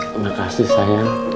terima kasih sayang